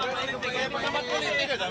ini dia tiap malam itu mendengarkan